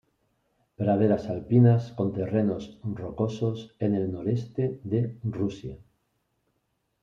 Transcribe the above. Praderas alpinas con terrenos rocosos, en el noreste de Rusia.